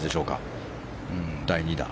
第２打。